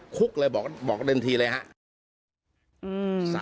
คุกเลยบอกทันทีเลยครับ